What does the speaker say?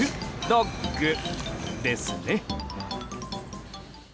ドッグですね。